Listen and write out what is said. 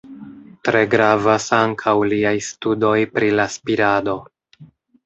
Tre gravas ankaŭ liaj studoj pri la spirado.